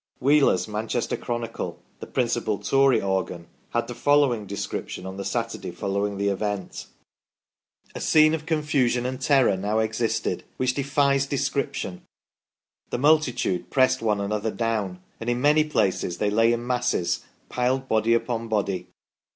Wheeler's " Manchester Chronicle," the principal Tory organ, had the following description on the Saturday following the event :" A scene of confusion and terror now existed which defies *; ,Cf /iP^V I ^i : 38 THE STORY OF PETERLOO description. The multitude pressed one another down, and in many places they lay in masses, piled body upon body.